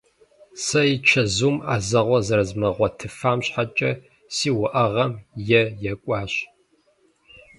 Сэ и чэзум ӏэзэгъуэ зэрызмыгъуэтыфам щхьэкӏэ си уӏэгъэм е екӏуащ.